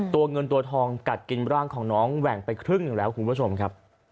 ตัวเงินตัวทองกัดกินร่างของน้องแหว่งไปครึ่งหนึ่งแล้วคุณผู้ชมครับ